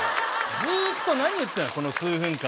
ずっと何言ってたこの数分間。